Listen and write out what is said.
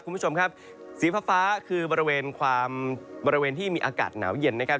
คุณผู้ชมครับสีฟ้าฟ้าคือบริเวณที่มีอากาศหนาเย็นนะครับ